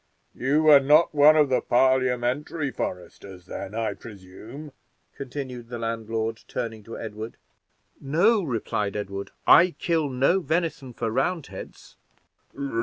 You are not one of the Parliamentary foresters, then, I presume?" continued the landlord, turning to Edward. "No," replied Edward, "I kill no venison for Roundheads."